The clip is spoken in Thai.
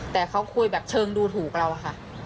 แต่เขาคุยแบบเชิงดูถูกเราอะค่ะ